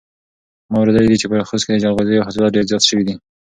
ما اورېدلي دي چې په خوست کې د جلغوزیو حاصلات ډېر زیات شوي دي.